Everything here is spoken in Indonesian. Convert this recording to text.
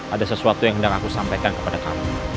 ada sesuatu yang ingin aku sampaikan kepada kamu